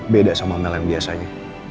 beda sama mel yang biasanya